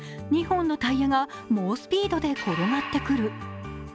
２本のタイヤが猛スピードで転がってくる。